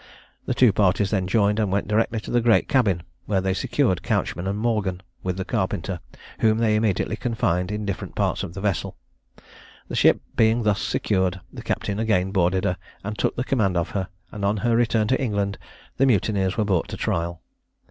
The two parties then joined, and went directly to the great cabin, where they secured Couchman and Morgan, with the carpenter, whom they immediately confined in different parts of the vessel. The ship being thus secured, the captain again boarded her and took the command of her; and on her return to England the mutineers were brought to trial.